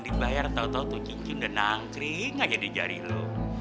dibayar tau tau tuh cincin udah nangkring aja di jari lu